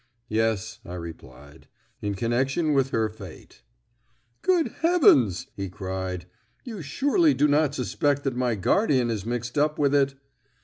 "Yes," I replied, "in connection with her fate." "Great heavens!" he cried. "You surely do not suspect that my guardian is mixed up with it?"